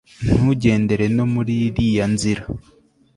ntugendere no muri iriya nzira